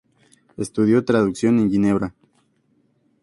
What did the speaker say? Estudió traducción en Ginebra.